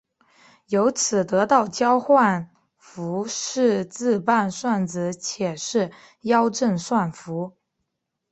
由此得到交换算符是自伴算子且是幺正算符。